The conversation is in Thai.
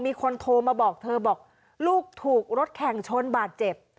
มีคนโทรมาบอกเธอบอกลูกถูกรถแข่งชนบาดเจ็บ